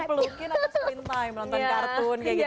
apa pelukin atau spin time nonton kartun kayak gitu ya